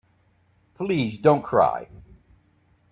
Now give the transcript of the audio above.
Please don't cry.